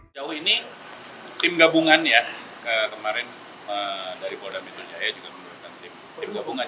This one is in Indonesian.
jauh ini tim gabungan ya kemarin dari polda metro jaya juga menurunkan tim gabungan